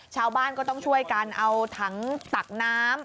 ชาวบ้านก็ต้องช่วยกันเอาถังตักน้ำ